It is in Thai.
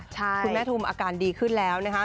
คุณแม่ทุมอาการดีขึ้นแล้วนะคะ